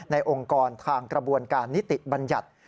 องค์กรทางกระบวนการนิติบัญญัติ